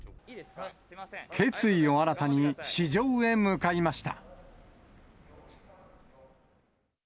決意を新たに、市場へ向かいました。